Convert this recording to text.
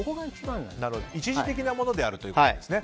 一時的なものだということですね。